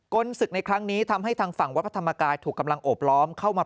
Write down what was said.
ศึกในครั้งนี้ทำให้ทางฝั่งวัดพระธรรมกายถูกกำลังโอบล้อมเข้ามา